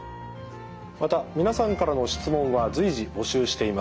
また皆さんからの質問は随時募集しています。